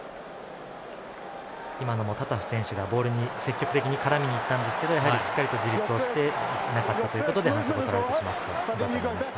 今のもタタフ選手がボールに積極的に絡みにいったんですけどやはりしっかり自立していなかったということで反則だったと思います。